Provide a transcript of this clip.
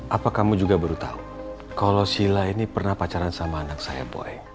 apa kamu juga baru tahu kalau sila ini pernah pacaran sama anak saya boy